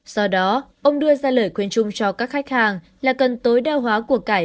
do đó ông đưa ra lời khuyên chung cho các khách hàng là cần tối đa hóa cuộc cải